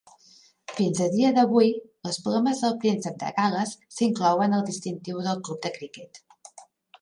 Fins a dia d'avui, les plomes del Príncep de Gal·les s'inclouen al distintiu del club de criquet.